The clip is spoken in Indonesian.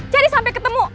cari sampai ketemu